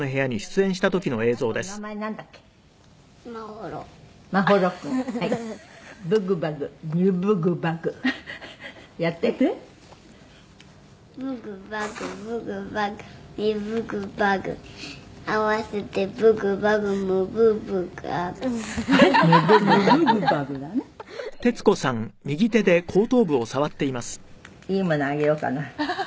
「いいものあげようかな」